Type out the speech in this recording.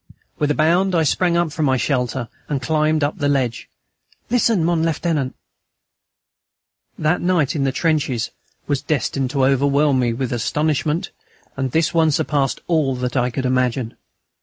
With a bound, I sprang from my shelter and climbed up the ledge. "Listen, mon Lieutenant." That night in the trenches was destined to overwhelm me with astonishment, and this one surpassed all that I could imagine.